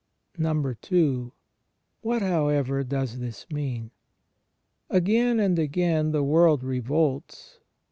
n. What, however, does this mean? Again and again the world revolts.